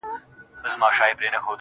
o خوشحال په دې دى چي دا ستا خاوند دی.